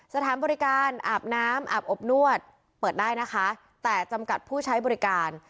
สถานบริการอาบน้ำอาบอบนวดเปิดได้นะคะแต่จำกัดผู้ใช้บริการ